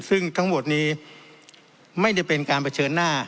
ซึ่งทั้งหมดนี้ไม่ได้เป็นการเผชิญหน้า